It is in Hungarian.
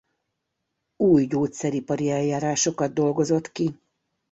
Új gyógyszeripari eljárásokat dolgozott ki.